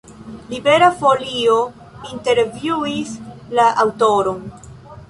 Libera Folio intervjuis la aŭtoron.